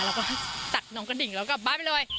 แล้วก็ตัดน้องกระดิ่งเรากลับบ้านไปเลย